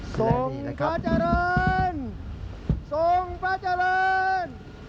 ส่งประจารนส่งประจารนส่งประจารน